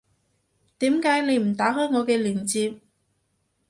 點解你唔打開我嘅鏈接